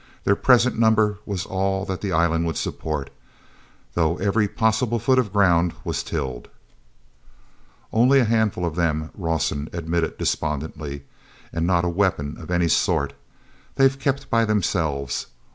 Their present number was all that the island would support, though every possible foot of ground was tilled. "Only a handful of them," Rawson admitted despondently, "and not a weapon of any sort. They've kept by themselves.